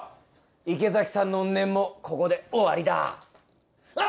池崎さんの怨念もここで終わりだ。